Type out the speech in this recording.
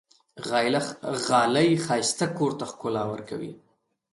غالۍ ښایسته کور ته ښکلا ورکوي.